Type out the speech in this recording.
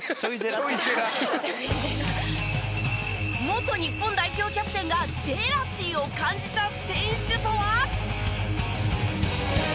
元日本代表キャプテンがジェラシーを感じた選手とは？